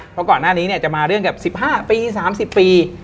เพราะก่อนหน้านี้จะมาเรื่องกับ๑๕ปี๓๐ปี